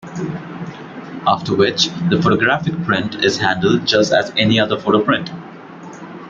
After which, the photographic print is handled just as any other photo-print.